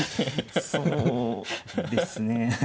そうですね。